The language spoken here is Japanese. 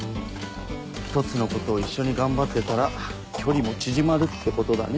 一つのことを一緒に頑張ってたら距離も縮まるってことだね。